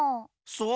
そう？